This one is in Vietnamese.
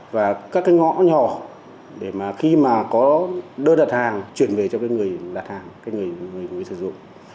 đó để mà khi mà có đưa đặt hàng chuyển về cho người đặt hàng người sử dụng